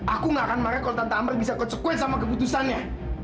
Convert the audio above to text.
aku nggak akan marah kalau tante amber bisa kecekuin sama keputusannya